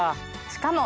しかも。